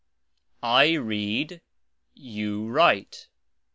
I read. You write.